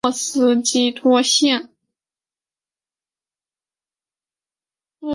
富勒姆大道站是伦敦地铁的一个车站。